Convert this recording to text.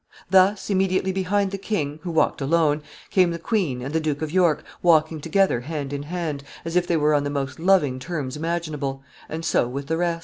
Thus, immediately behind the king, who walked alone, came the queen and the Duke of York walking together hand in hand, as if they were on the most loving terms imaginable, and so with the rest.